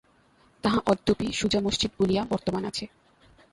তাহা অদ্যাপি সুজা-মসজিদ বলিয়া বর্তমান আছে।